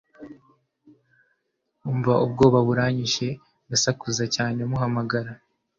umva ubwoba buranyishe ndasakuza cyane muhamagara